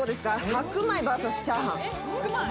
白米ＶＳチャーハン。